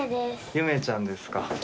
ゆめちゃんですか。